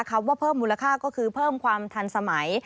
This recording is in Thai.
คำว่าเพิ่มมูลค่าก็คือเพิ่มความทันสมัย